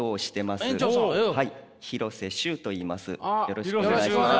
よろしくお願いします。